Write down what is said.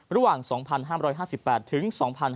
ระหว่าง๒๕๕๘ถึง๒๕๕๙